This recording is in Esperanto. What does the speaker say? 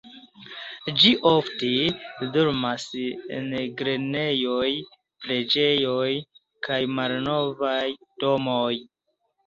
Ĝi ofte dormas en grenejoj, preĝejoj kaj malnovaj domoj.